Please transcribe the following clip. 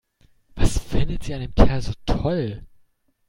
Was findet sie an dem Kerl so toll?